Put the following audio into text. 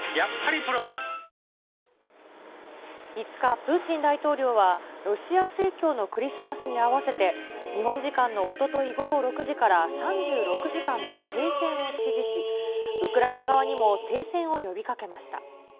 プーチン大統領は、ロシア正教のクリスマスに合わせて、日本時間のおととい午後６時から３６時間の停戦を指示し、ウクライナ側にも停戦を呼びかけました。